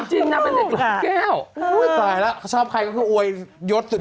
จริงนางเป็นเด็กหลุมแก้วอุ้ยตายแล้วชอบใครก็คืออวยยศสุด